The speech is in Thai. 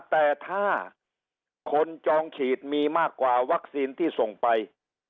แต่ถ้าคนจองฉีดมีมากกว่าวัคซีนที่ส่งไป